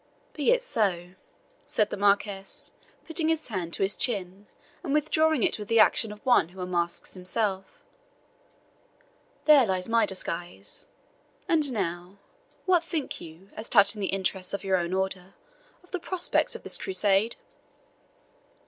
"Be it so," said the Marquis, putting his hand to his chin, and withdrawing it with the action of one who unmasks himself; "there lies my disguise. And now, what think you, as touching the interests of your own order, of the prospects of this Crusade?"